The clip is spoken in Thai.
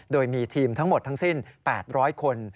โดยมีทีมทั้งหมดทั้งสิ้น๘๐๐คน